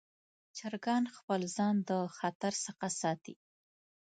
چرګان خپل ځان د خطر څخه ساتي.